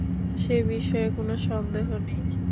সেবিষয়ে কোনো সন্দেহ নেই।